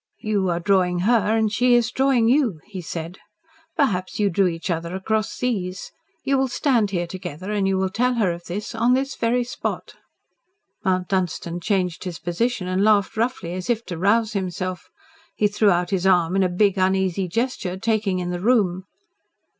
"You are drawing her and she is drawing you," he said. "Perhaps you drew each other across seas. You will stand here together and you will tell her of this on this very spot." Mount Dunstan changed his position and laughed roughly, as if to rouse himself. He threw out his arm in a big, uneasy gesture, taking in the room.